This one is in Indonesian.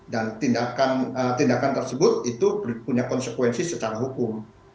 dan tindakan tersebut itu punya konsekuensi secara hukum